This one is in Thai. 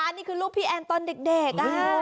อันนี้คือลูกพี่แอนตอนเด็ก